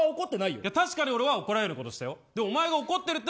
確かに俺は怒られることしたよ